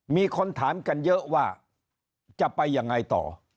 มีคนถามกันเยอะว่าจะไปยังไงต่อ